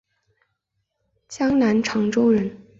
江南长洲人。